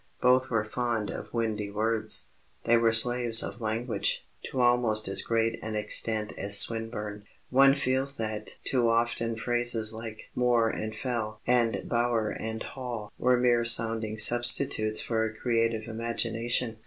Both were fond of windy words. They were slaves of language to almost as great an extent as Swinburne. One feels that too often phrases like "moor and fell" and "bower and hall" were mere sounding substitutes for a creative imagination.